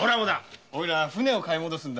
おいら舟を買い戻すんだ。